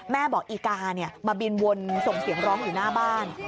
แม่บอกอีกามาบินวนส่งเสียงร้องอยู่หน้าบ้าน